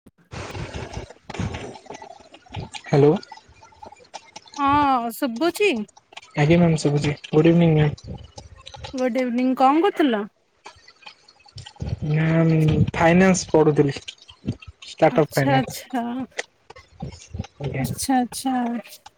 [inaudible] Hello. ହଁ ଶୁଭୁଛି। ଆଜ୍ଞା ମ୍ୟାମ ଶୁଭୁଚି good evening ma'am. Good evening କଣ କରୁଥିଲ? ମ୍ୟାମ ଫାଇନାନ୍ସ ପଢୁଥିଲି। ଷ୍ଟାର୍ଟ ଅପ ଆଚ୍ଛା ଆଚ୍ଛା ଫାଇନାନ୍ସ ଆଜ୍ଞା। ଆଛା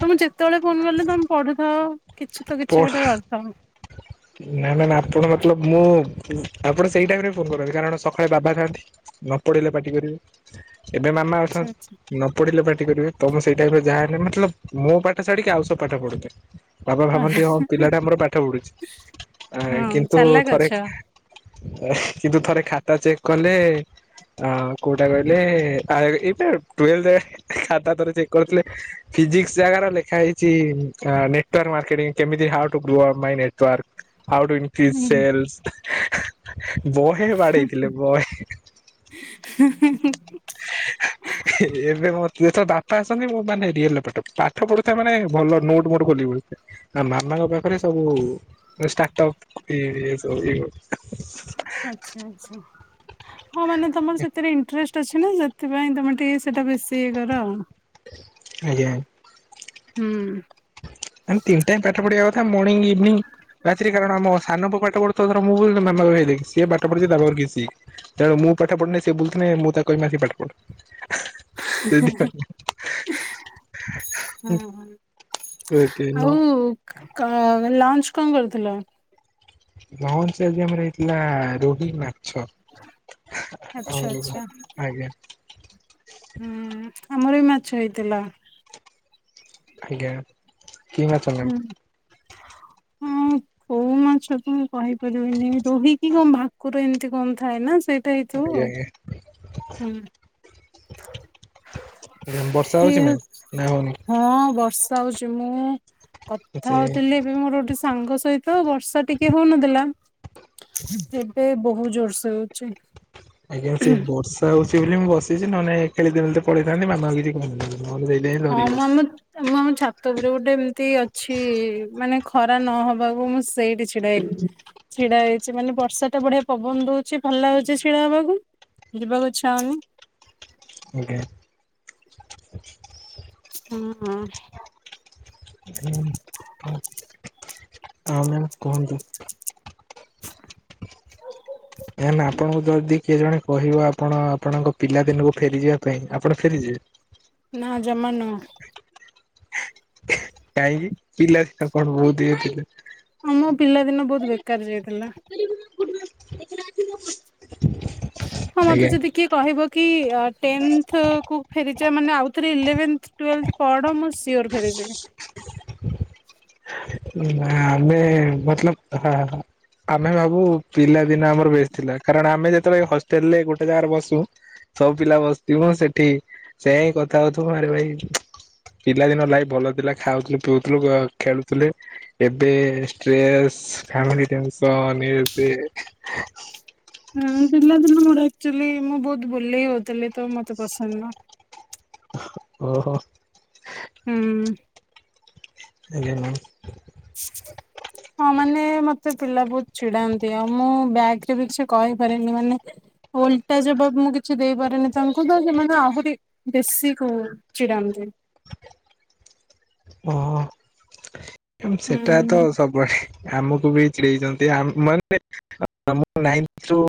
ତମେ ଯେତେବେଳେ ଫୋନ କଲେ ତମେ ପଢୁଥାଅ କିଛି ତ କିଛି ଗୋଟେ କରୁଥାଅ। ନାଁ ନାଁ ମ୍ୟାମ ଆପଣ ମତଲବ ମୁଁ ଆପଣ ସେଇ ଟାଇମରେ ଫୋନ କରନ୍ତି କାରଣ ସକାଳେ ବାବା ଥାଆନ୍ତି। ନ ପଢ଼ିଲେ ପାଟି କରିବେ ଏବେ ମାମା ଆଚ୍ଛା ଅଛନ୍ତି। ଆଚ୍ଛା ନ ପଢ଼ିଲେ ପାଟି କରିବେ ତ ମୁଁ ସେଇ ଟାଇମ୍ ରେ ଯାହାହେନେ ମତଲବ ମୋ ପାଠ ଛାଡିକି ଆଉ ସବୁ ପାଠ ପଢୁଥିବି। ବାବା ଭାବନ୍ତି ହଁ ପିଲାଟା ଆମର ପାଠ ପଢୁଛି। ଆ ହଁ କିନ୍ତୁ ଚାଲାକ୍ ଅଛ ଥରେ କିନ୍ତୁ ଥରେ ଖାତା ଚେକ୍ କଲେ ହଁ କୋଉଟା କହିଲେ ଆ ଏବେ ଟୁୱେଲ୍ଥେଖାତା ଥରେ ଚେକ୍ କରିଥିଲେ ଫିଜିକ୍ସ ଜାଗା ର ଲେଖା ହେଇଛି ନେଟୱାର୍ ମାର୍କେଟିଙ୍ଗ କେମିତି how to grow of my work how to increase ହୁଁ ହୁଁ ସେଲସ। ବହେ ବାଡେଇଥିଲେ ବହେ। ହିଁହିଁ ହିଁ। ହ ଏବେ ମୋ ତ ବାପା ଆସନ୍ତି ମୋ ମାନେ ରିୟଲ ପାଠ ପଢ଼ୁଥାଏ ମାନେ ଭଲ ନୋଟ ମୋର ଖୋଲିଥାଏ। ଆ ମାମାଙ୍କ ପାଖରେ ସବୁ ଷ୍ଟାର୍ଟପ୍। ଏଇଆ ସବୁ ହିଁ କଥା। ଆଛା ଆଛା। ହଁ ମାନେ ତମର ସେଥିରେ ଇଣ୍ଟେରେଷ୍ଟ ଅଛି ନା ସେ ସେଥିପାଇଁ ତୁମେ ଟିକେ ସେଟା ବେଶୀ ଇଏ କର। ଆଜ୍ଞା। ହୁଁ। ଆମେ ତିନି ଟାଇମ୍ ପାଠ ପଢିବା କଥା ମର୍ଣ୍ଣିଂ ଇଭିନିଗି ରାତିରେ କାରଣ ଆମ ସାନ ପୁଅ ପାଠ ପଢୁ [unintelligible] ମାମା କହିବେ ହେଇ ଦେଖେ ସିଏ ପାଠ ପଢୁଛି ତା ପାଖରୁ କିଛି ଶିଖ୍। ତେଣୁ ମୁଁ ପାଠ ପଢୁନି ସେ ବୁଲୁଥିଲେ ମୁଁ ତାକୁ କହିବି ଆସିକି ପାଠ ପଢ। ସେଥିପାଇଁ ହଁ ହଁ। ଆଉ ଏଦିନ। ଲଞ୍ଚ କଣ କରୁଥିଲ? ଲଞ୍ଚ ରେ ଆଜି ଆମର ହେଇଥିଲା ରୋହି ମା ଛ ଆଚ୍ଛା ଆଉ ଆଚ୍ଛା ଆଜ୍ଞା। ହୁଁ ଆମର ବି ମାଛ ହେଇଥିଲା। ଆଜ୍ଞା କି ମାଛ? ହୁଁ ହଁ କୋଉ ମାଛ ତ ମୁଁ କହିପାରିବିନି ରୋହିକି କଣ ଭା ଭାକୁର ଏମିତି କଣ ଥାଏ ନା ସେଇଟା ହେଇଥିବ ଆଉ ହୁଁ। ମେମ୍ବରସ ହଁ ବର୍ଷା ହୋଉଛି। ମୁଁ କଥା ସେ ହୋଉଥିଲି ଏବେ ମୋର ଗୋଟେ ସାଙ୍ଗ ସହିତ ବର୍ଷା ଟିକେ ହୋଉନଥିଲା। ଏବେ ବହୁତ ଜୋରସ ହେଉଛି। ଆଜ୍ଞା, ସେ ବର୍ଷା ହଉଛି ବୋଲି ମୁଁ ବସିଛି ନହେଲେ ଖେଳିଦେବି ବୋଲି ତ ପଳେଇଥାନ୍ତି ମାମାଙ୍କୁ କିଛି କହିନଥାନ୍ତି। ହ ସେଇ ଟାଇମ। ହଁ ମୁଁ ଆମ ମୁଁ ଆମ ଛାତ ଉପରେ ଗୋଟେ ଏମିତି ଅଛି ମାନେ ଖରା ନହବାକୁ ମୁଁ ସେଇଠି ଛିଡାହେ ଛିଡା ହେଇଛି, ମାନେ ବର୍ଷା ଟା ବଢିଆ ପବନ ଦଉଛି ଭଲ ଲାଗୁଛି ଛିଡା ହବାକୁ। ଯିବାକୁ ଇଛା ହଉନି। ଆଜ୍ଞା। ହଁ ହଁ ହୁଁ ହଁ ହଁ ମ୍ୟାମ କୁହନ୍ତୁ? ମ୍ୟାମ ଆପଣଙ୍କୁ ଯଦି କିଏ ଜଣେ କହିବ ଆପଣ, ଆପଣଙ୍କ ପିଲାଦିନକୁ ଫେରିଯିବା ପାଇଁ ଆପଣ ଫେରିଯିବେ? ନା ଜମା ନୁହଁ। କାହିଁକି ପିଲାଦିନ କଣ ବହୁତ ଇଏ ଥିଲେ? ଆ ମୋ ପିଲା ଦିନ ବହୁତ ବେକାର ଯାଇଥିଲା। [unintelligible] ହଁ ମତେ ଆଜ୍ଞା ଯଦି କିଏ କହିବ କି ଆ ଟେନଥ କୁ ଫେରିଯିବା ମାନେ ଆଉଥରେ ଇଲେଭେନଥ ଟ୍ୱେଲଭଥ ପଡ ମୁଁ ସିଓର ଫେରିଯିବି ଆମେ ମତଲବ ଆ ଆମେ ଭାବୁ ପିଲା ଦିନ ଆମର ବେଶ ଥିଲା, କାରଣ ଆମେ ଯେତେବେଳେ ହଷ୍ଟେଲ ରେ ଗୋଟେ ଜାଗାରେ ବସୁ ସବୁ ପିଲା ବସିଥିବୁ, ସେଠି ସେ ହିଁ କଥା ହଉଥିବ ଆରେ ଭାଇ ପିଲାଦିନ ଲାଇଫ୍ ଭଲ ଥିଲା ଖାଉଥିଲୁ, ପିଉଥିଲୁ, ଖେଳୁୁ ଥିଲୁ ଏବେ ଷ୍ଟ୍ରେସ ଫ୍ୟାମିଲି ଟେନସନ ଇଏ ସିଏ [unintelligible] ହୁଁ, ପିଲାଦିନ ମୋର ଆକଚୁଆଲି ମୁଁ ବହୁତ ବୁଲେଇ ହଉଥିଲି ତ ମତେ ପସନ୍ଦ ନୁହଁ। ଓହୋ ହୁଁ ଆଜ୍ଞା କଣ? [unintelligible] ହଁ ମାନେ ମତେ ପିଲା ବହୁତ ଚିଡାନ୍ତି ଆଉ ମୁଁ ବ୍ୟାକରେ ବି କିଛି କହିପାରନି ମାନେ ଓଲଟା ଜବାବ ମୁଁ କିଛି ଦେଇପାରିନି ତାଙ୍କୁ ତ ସେମାନେ ଆହୁରି ବେଶୀ କହୁ ଚିଡାନ୍ତି। ଓହୋ କିନ୍ତୁ ସେଟା ତ ହୁଁ ସବ ବୁ ଆଡେ, ଆମକୁ ବି ଚିଡ଼େଇଛନ୍ତି ମାନେ ଆ ଆମ ନାଇଥ ରୁ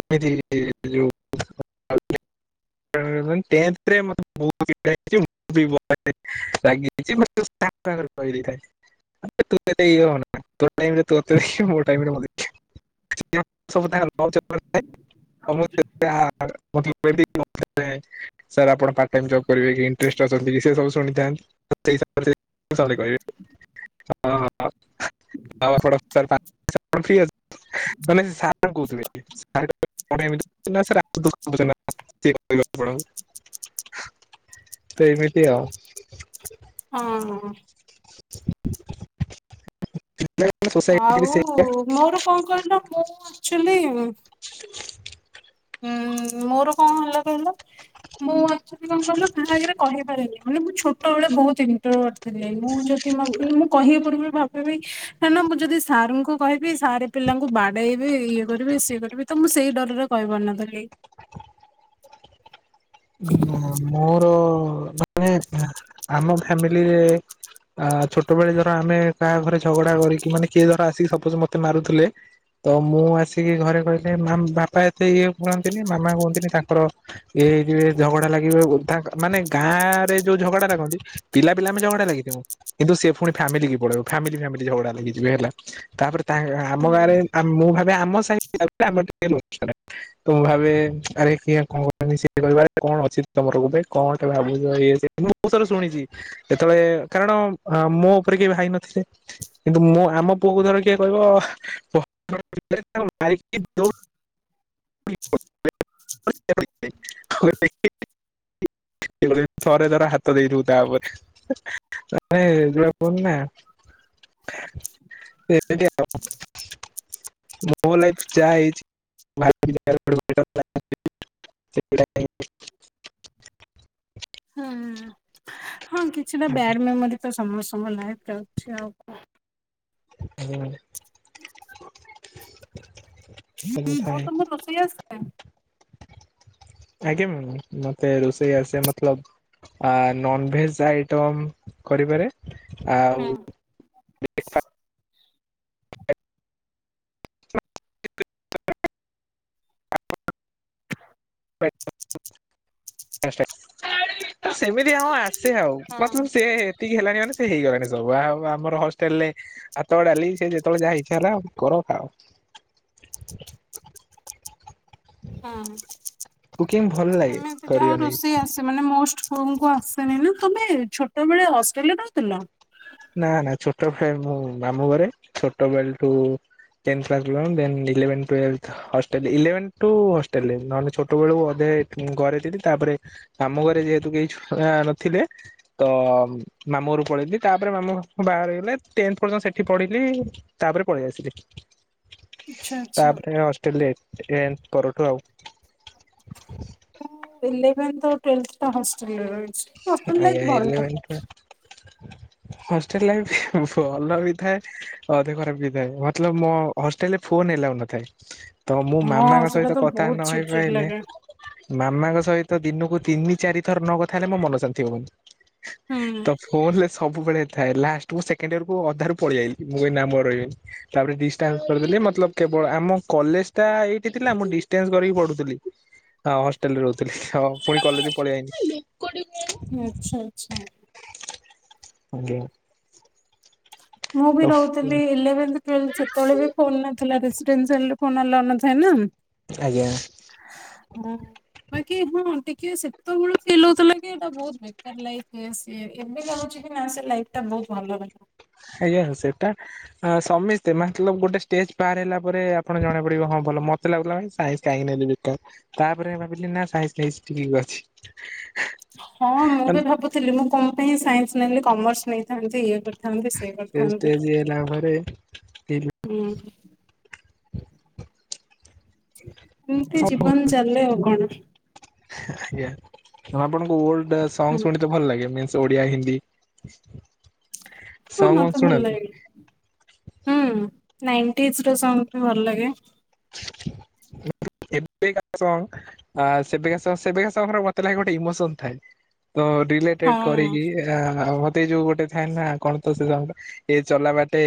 ଏମିତି ଯୋଉ ଉଁ ମାନେ ଟେନଥରେ ମତେ ବହୁତ ବ୍ୟାକ୍ୟୁମ ରାଗିଙ୍ଗ ଏମିତି ବାସ ତାଙ୍କ ଆଗରେ କହିଦେଇଥାଏ ତୁ ଏତେ ଇଏ ହନା। ତୋ ଟାଇମ ରେ ତୁ ଦେଖ ମୋ ଟାଇମ ରେ ମୁ ଦେଖ। [inaudible] ନୋଟ୍ ପ୍ରିପେୟାର ସାର୍ ଆପଣ ପାର୍ଟ ଟାଇମ ଜବ କରିବେ କି ଇଣ୍ଟରେଷ୍ଟ ଅଛନ୍ତି ସେସବୁ ଶୁଣିଥାନ୍ତି ଖୋସାମତ କରିବେ ଆପଣ ଆଉ ଆପଣ ସମ ଫିଅର ତମେ ସାର କହୁଥିଲେ। ସାର୍ କଣ ଏମିତି କହୁଥିଲେ ସାର ଆପଣଙ୍କୁ କହୁଥିଲା। ଜିମ କରିବାକୁ ପଡ ତ ଏମିତି ଆଉ। ହଁ। ବ୍ୟାଙ୍କର ସୋସାଇଟ ଆଉ ଏକତିରିଶି। ମୋର କଣ କହିଲ ବୋଉ ଆକ୍ଚୁଆଲି ଉଁ ମୋର କଣ ହେଲା କହିଲ ମୁଁ ଆକ୍ଚୁଆଲି କଣ କହିଲ କାହା ଆଗରେ କହିପାରେନି। ମାନେ ମୁଁ ଛୋଟବେେଳେ ବହୁତ୍ ଇଣ୍ଟରଭର ଥିଲି। ମୁଁ ଯଦି ଭାବୁଥିଲି ମୁଁ କହିବି ପୂର୍ବରୁ ଭା ଫେରବି ମୁଁ ଯଦି ସାର୍ ଙ୍କୁ କହିବି ସାର୍ ପିଲାଙ୍କୁ ବାଡେଇବେ ଇଏ କରିବେ ସିଏ କରିବେ। ତ ମୁଁ ସେଇ ଡରରେ କହିପାରୁନଥିଲି। ମୋର ମାନେ ଆମ ଫ୍ଯାମିଲିରେ ଆ ଛୋଟବେେଳେ ଧର ଆମେ କାହା ଘରେ ଝଗଡା କରିକି ମାନେ କିଏ ଧର ଆସିକି ସପୋଜ ମତେ ମାରୁଥିଲେ ତ ମୁଁ ଆସିକି ଘରେ କହିଲେ ମାମ ବାପା ଏତେ ଇଏ ହୁଅନ୍ତିନି ମାମା କୁହନ୍ତିନି ତାଙ୍କର ଏ। ଇଏଝଗଡା ଲାଗିବ। ତାଙ୍କମାନେ ଗାଁରେଯୋଉ ଝଗଡା ଲାଗନ୍ତି। ପିଲା ପିଲା ବି ଝଗଡା ଲାଗିଥିବୁ। କିନ୍ତୁ ସେ ପୁଣି ଫ୍ଯାମିଲି କି ପଳେଇବ ଫ୍ଯାମିଲ ଫ୍ଯାମିଲ ଝଗଡା ଲାଗି ଯିବେ ହେଲା। ତାପରେ ତା ଗାଁ ହୁଁ ଆମ ଗାଁରେ ମୁଁ ଭାବେ ଆମ ସାହିପିଲାବୋଲି ଆମେ ଟିକିଏ ମୂଖ୍ୟ ରେ ତ ମୁଁ ଭାବେ ଆରେ କିଏ କହୁଚନ୍ତି ସିଏ। ସେ କହିବ କଣ ଅଛି ତମର ଗୋଟେ କଣ ଏତେ ଭାବୁଚ ଇଏ ସିଏ। ମୁଁ ସାରେ ଶୁଣିଚି। କେତେବେଳେ କାରଣ ମୋ ଉପରେ କେବେ ଭାଇ ନଥିଲେ। କିନ୍ତୁ ମୁଁ ଆମ ପୁଅ କୁ ଧର କିଏ କହିବ [inaudible] ମାରିକିଦୌଡୁ। [unintelligible] ମୁଁ କହିଲି ଥରେ ଥରେ ହାତ ଦେଇ ଦବୁ ତା ଉପରେ ମାନେ ଯୁଡା ପୁନା। ଏବେ ବି ହବ ମୋ ଲାଇଫ୍ ଯାହା ହେଇଚି। ଭାର ବି [inaudible] ହୁଁ ହଁ କିଛିଟା ବ୍ୟାଡ ମେମୋରି ତ ସମ ସମ ଲାଇଫ୍ ରେ ଅଛି ଆଉ କଣ। ହୁଁ। ଆଉ ତମକୁ ରୋଷେଇ ଆସେ? ଆଜ୍ଞା ମ୍ୟାମ ମତେ ରୋଷେଇ ଆସେ ମତଲବ ଆ ନନ୍ ଭେଜ ଆଇଟମ୍ କରିପାରେ ଆଉ ହୁଁ। ସେମିତି ଅଁ ଆଁ। ସେ ଆଉ ମତଲବ ସେ ଏତିକି ହେଲାଣି ମାନେ ସେ ହେଇଗଲାଣି ସବୁ। ଆଉ ଆମର ହଷ୍ଟେଲରେ ହାତ ଡାଲି ସେ ଯେତେବେଳେ ଯାହା ଇଚ୍ଛା ହେଲା କର ଖାଅ। ହଁ କୁକିଂ ଭଲ ଲାଗେ ସେମିତି ଯାହା କରିବା ନାଗି ରୋଷେଇ ଆସେ। ମାନେ ମୋଷ୍ଟ ବୋଉଙ୍କୁ ଆସେନି ନା। ତମେ ଛୋଟବେେଳେ ହଷ୍ଟେଲ ରେ ରହୁଥିଲ? ନା ନା ଛୋଟବେଳେ ମୁଁ ମାମୁଁ ଘରେ ଛୋଟବେଳଠୁ tenth twenty one then eleven twelfth. Hostel eleven two ହଷ୍ଟେଲରେ ନହେଲେ ଛୋଟ ବେଳୁ ଅଧେ ଘରେ ଥିଲି ତାପରେ ମାମୁଁ ଘରେ ଯେହେତୁ କେହିଛୁଆ ନଥିଲେ ତ ମାମୁଁ ଘରୁକୁ ପଳେଇଲି। ତାପରେ ମାମୁଁ ଫାମୁଁ ବାହାଘର ହେଇଗଲେ ଟେନ୍ଥ ପର୍ଯ୍ୟନ୍ତ ସେଠି ପଢ଼ିଲି। ତାପରେ ପଳେଇ ଆସିଲି। ଆଚ୍ଛା ଆଚ୍ଛା। ତାପରେ ଅଷ୍ଟେଲରେ ଟେନ୍ଥ ପରଠୁ ଆଉ- ମୁଁ ଇଲେଭେନ୍ ତ ଟେନ୍ଥ ଟା ହଷ୍ଟେଲରେ ରହିଚି। ଆଜ୍ଞା ଇଲେଭେନ୍ ଟା ହଷ୍ଟେଲ୍ ରେ ବି ଭଲ ବି ଥାଏ। ଅଧିକ ଖରାପ ହେଇଥାଏ। ମତଲବ ମୋ ହଷ୍ଟେଲ୍ ରେ ଫୋନ ଏଲାଉ ନଥାଏ। ତ ମୁଁ ହଁ ମାମାଙ୍କ ସେଟା ସହିତ ତ କଥା ବହୁତ ଚିଡ୍ ଚିଡ୍ ନହେଇପାଇଲେ ଲାଗେ ମାମାଙ୍କ ସହିତ ଦିନକୁ ତିନି ଚାରି ଥର ନ କଥା ହେଲେ ମୋ ମନ ଶାନ୍ତିିହବନି। ହୁଁ। ତ ଫୋନ ରେ ସବୁବେଳେ ଥାଏ ଲାଷ୍ଟ ମୁଁ ସେକେଣ୍ଡ ୟର କୁ ଅଧାରୁ ପଳେଇ ମୁଁ କହିଲି ଆଉ ରହିବିନି। ତାପରେ ଡିଷ୍ଟାନ୍ସ କରିଦେଲି ମତଲଭ କେବଳ ଆମ କଲେଜ ଟା ଏଇଠି ଥିଲା ମୁଁ ଡିଷ୍ଟାନ୍ସ କରିକି ପଢୁଥିଲି। ହଁ ହଷ୍ଟେଲରେ ରହୁଥିଲି ହୋଉ ପୁଣି କଲେଜକୁ ପଳେଇଆାଇନି। ଆଚ୍ଛା ଆଚ୍ଛା। ଆଜ୍ଞା। ମୁଁ ବି ତ ରହୁଥିଲି ଇଲେଭେନ୍ଥେ ହୁଁ ସେତେବେଳେ ବି ଫୋନ ନଥିଲା ଡିଷ୍ଟାନ୍ସ ହେଲେ ଫୋନ ଆଲାଉ ନଥାଏ ନା। ଆଜ୍ଞା। ଓ ହଁ ବାକି ହଁ ଟିକେ ସେତେବେଳେ ଫିଲ୍ ହଉଥିଲା କି ଏଇଟା ବହୁତ ବେ ଲାଇଫ୍ ସିଏ ଏବେ ଲାଗୁଛି କି ନା ସେ ଲାଇଫଟା ବହୁତ ଭଲ ଲାଇଫ। ଆଜ୍ଞା ସେଇଟା ଆ ସମସ୍ତେ ମତଲବ ଗୋଟେ ଷ୍ଟେଜେ ପାର ହେଲା ପରେ ଆପଣ ଜଣା ପଡିବ ହଁ ଭଲ ମ ତ ଲାଗୁଥିଲା ସାଇନ୍ସ କାହିଁକି ନେଲି ବେକାର ତାପରେ ଭାବିଲି ନା ସାଇନ୍ସ ନେଇଛି ଠିକ୍ ଅଛି। [inaudible] ହଁ ମୁଁ ବି ଭାବୁଥିଲି ମୁଁ କଣ ପାଇଁ ସାଇନ୍ସ ନେଲିି କମର୍ସ ନେଇଥାନ୍ତି ଇଏ କର ଥାନ୍ତି ସେ କରିଥାନ୍ତି ଷ୍ଟେଜ ହେଲା ପରେ ହୁଁ। ଏମିତି ଜୀବନ ଚାଲେ ଆଉ କଣ। ଆଜ୍ଞା ଆଉ ଆପଣଙ୍କୁ ଓଲ୍ଡ ହୁଁ। ସଙ୍ଗ ଭଲ ଲାଗେ ମିନ୍ସ ଓଡିଆ, ହିନ୍ଦୀ। ହଁ ସଙ୍ଗ ମତେ ଭଲ ଶୁଣନ୍ତି ଲାଗେ। ହୁଁ ନାଇଣ୍ଟିନିସ୍ ର ସଙ୍ଗ ଭଲ ଲାଗେ। [inaudible] ଏବେକା ସଙ୍ଗ ଆ ସେବେକା ସଙ୍ଗ ସେବେକା ସଙ୍ଗ ମତେ ଲାଗେ ଗୋଟେ ଇମୋସନ ଥାଏ। ତ ରିଲେଟେଡ ହଁ କରିକି ଆ ମତେ ଯୋଉ ଗୋଟେ ଥାଏ ନା କଣ ତ ସେ ସଙ୍ଗରେ ଏ ଚଲା ବାଟେ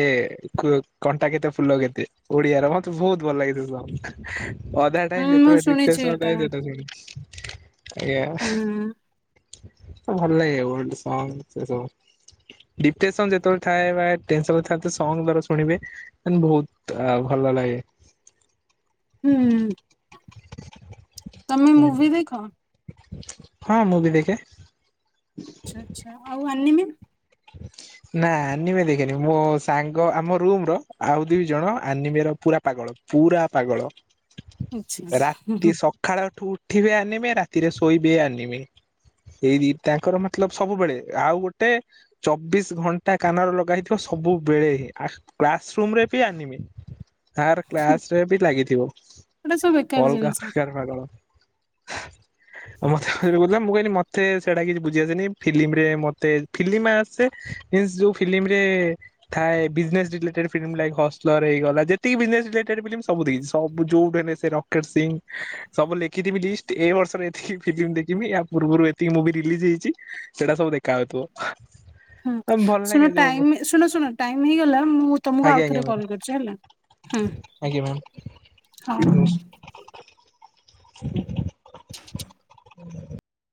କୁ କଣ୍ଟା କେତେ ଫୁଲ କେତେ ଓଡିଆର ମତେ ବହୁତ ଭଲ ଲାଗେ ସେ ସବୁ। [inaudible] ଅଧା ଟାଇମ୍ ହୁଁ ମୁଁ ଯେତେ ଶୁଣିଛି ସେ ଏଟା [unintelligible] ଆଜ୍ଞା। ହୁଁ। ଭଲ ଲାଗେ ଓଲ୍ଡ ସଙ୍ଗ ସେ ସବୁ। ଡିପ୍ରେସନ ଯେତେବେଳେ ଥାଏ ଆ ଟେନ୍ସନ ଥାଏ ଏସବୁ ସଙ୍ଗ ଶୁଣିବେ ମାନେ ବହୁତ ଆ ଭଲ ଲାଗେ। ହୁଁ। ତମେ ହୁଁ। ମୁଭି ଦେଖ? ହଁ ମୁଁଭିି ଦେଖେ। ଆଚ୍ଛା ଆଚ୍ଛା। ଆଉ ଆନିମିନ୍? [inaudible] ନା ଆନିମେ ଦେଖେନି ମୋ ସାଙ୍ଗ ଆମ ରୁମ ର ଆଉ ଦି ଜଣ ଆନିମ୍ ର ପୁରା ପାଗଳ। ପୁରା ପାଗଳ, ଆଚ୍ଛା ଆଚ୍ଛା ହୁଁ ହୁଁ ରାତି ସ ଖାଳଠୁ ଉଠିବେ ଆନିମେ ରାତିରେ ଶୋଇ ବି ଆନିମେ। ଏଇ ଦି ତାଙ୍କର ମତଲବ ସବୁବେଳେ ଆଉ ଗୋଟେ ଚବିଶ ଘଣ୍ଟା କାନରେ ଲଗା ହେଇଥିବ ସବୁବେଳେ ଆ କ୍ଲାସ ରୁମରେ ବି ଆନିମେ। ଆର କ୍ଲାସରେ ବି ଲାଗିଥିବ ଏଟା ସବୁ ବେକାର ଅଲଗା ଜିନିଷ ହୁଁ। ପ୍ରକାର ପାଗଳ। ହା ମତେ ବ ମୁଁ କହିଲି ମତେ ସେଇଟା କିଛି ବୁଝି ଆସେନି ଫିଲ୍ମ ରେ ମତେ ଫିଲ୍ମ ଆସେ ହିଁନ୍ସ୍ ଯୋଉ ଫିଲ୍ମ ରେ ଥାଏ ବିଜନେସ ରିଲେଟେଡ ଫିଲ୍ମ ଲ ହସ୍ଲର ହେଇଗଲା ଯେତିକି ବିଜନେ ରିଲଟେ ଫିଲ୍ମ ସବୁ ଦେଖେ ସୁ ଯୋଉଠୁ ସେ ରକେଟ ସିଂ ସବୁ ଲେଖିଥିବି ଲିଷ୍ଟ୍ ଏଇ ବର୍ଷରେ ଏତିକି ଫିଲ୍ମ୍ ଦେଖିବି ୟା ପୂର୍ବରୁ ଏତିକି ମୁଭି ରିଲିଜ୍ ହେଇଚି। ସେଇଟା ସବୁ ଦେଖା ହଉଥିବ। ଭଲ ଶୁଣ ଲାଗେ ଯୋଉ ଟାଇମ ଶୁଣ ଶୁଣ ଟାଇମ ହେଇଗଲା ମୁଁ ତମକୁ ଆଜ୍ଞା ଆଉ ଆଜ୍ଞା ଥରେ କଲ୍ ମ୍ୟାମ୍ କରିୁଛି ହେଲା। ଆଜ୍ଞା ମ୍ୟାମ୍। ହଁ ହଁ। ହଁ [unintelligible]